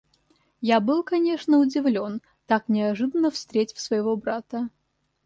Я был, конечно, удивлен, так неожиданно встретив своего брата.